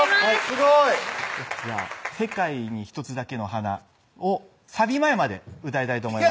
すごいじゃあ世界に一つだけの花をサビ前まで歌いたいと思います